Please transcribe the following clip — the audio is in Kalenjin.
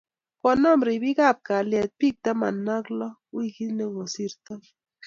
Konan ribik ab kalyet bik taman ak lo wikit nekosirtoi.